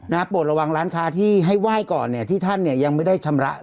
โปรดระวังร้านค้าที่ให้ไหว้ก่อนเนี่ยที่ท่านเนี่ยยังไม่ได้ชำระ